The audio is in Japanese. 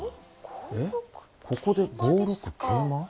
えっここで５六桂馬？